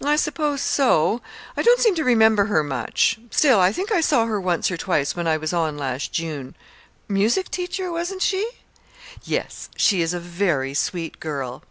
"I suppose so. I don't seem to remember her much; still, I think I saw her once or twice when I was on last June. Music teacher, wasn't she?" "Yes. She is a very sweet girl."